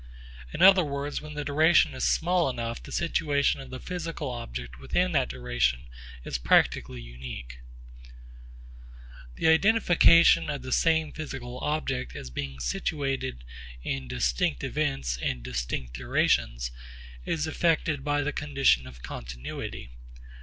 In other words, when the duration is small enough, the situation of the physical object within that duration is practically unique. The identification of the same physical object as being situated in distinct events in distinct durations is effected by the condition of continuity.